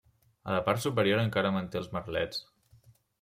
A la part superior encara manté els merlets.